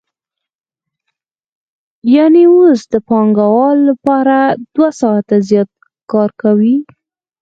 یانې اوس د پانګوال لپاره دوه ساعته زیات کار کوي